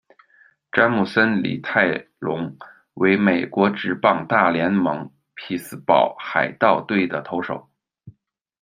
詹姆森·李·泰隆，为美国职棒大联盟匹兹堡海盗队的投手。